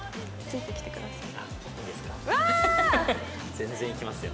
全然行きますよ。